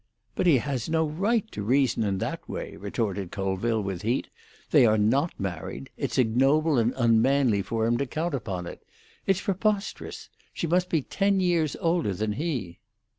"But he has no right to reason in that way," retorted Colville, with heat. "They are not married; it's ignoble and unmanly for him to count upon it. It's preposterous. She must be ten years older than he."